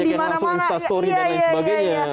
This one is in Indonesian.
bikin langsung instastory dan lain sebagainya